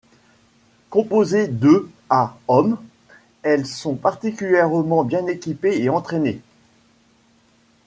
Composées de à hommes, elles sont particulièrement bien équipées et entraînées.